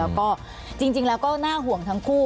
แล้วก็จริงแล้วก็น่าห่วงทั้งคู่